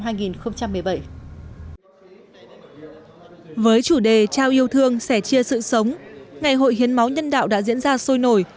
với chủ đề trao yêu thương sẻ chia sự sống ngày hội hiến máu nhân đạo đã diễn ra sôi nổi